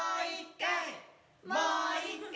もう１回！